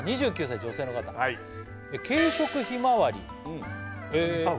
２９歳女性の方軽食ひまわりへえ